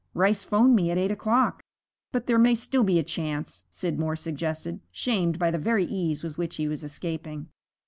Rice 'phoned me at eight o'clock.' 'But there may still be a chance,' Scidmore suggested, shamed by the very ease with which he was escaping.